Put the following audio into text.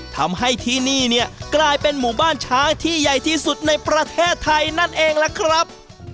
ทำให้ที่นี่เนี่ยกลายเป็นหมู่บ้านช้างที่ใหญ่ที่สุดในประเทศไทยนั่นเองล่ะครับ